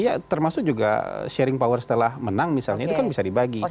iya termasuk juga sharing power setelah menang misalnya itu kan bisa dibagi